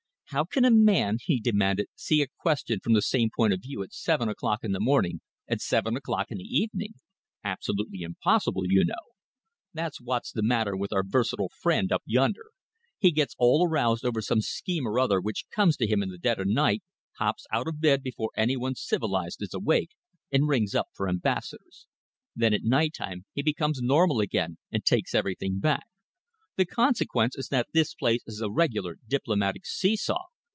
"How can a man," he demanded, "see a question from the same point of view at seven o'clock in the morning and seven o'clock in the evening? Absolutely impossible, you know. That's what's the matter with our versatile friend up yonder. He gets all aroused over some scheme or other which comes to him in the dead of night, hops out of bed before any one civilised is awake, and rings up for ambassadors. Then at night time he becomes normal again and takes everything back. The consequence is that this place is a regular diplomatic see saw.